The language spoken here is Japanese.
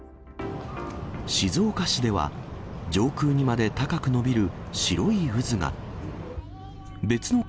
静岡市では、上空にまで高く伸びる白い渦が。